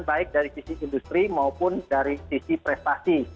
baik dari sisi industri maupun dari sisi prestasi